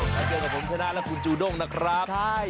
เจอกับผมเทนะและคุณจูด้งนะครับใช่